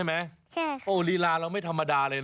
น้ำตาตกโคให้มีโชคเมียรสิเราเคยคบกันเหอะน้ำตาตกโคให้มีโชค